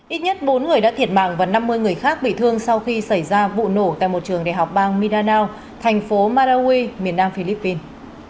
ít nhất bốn người đã thiệt mạng và năm mươi người khác bị thương sau khi xảy ra vụ nổ tại một trường đại học bang midanao thành phố marawi miền nam philippines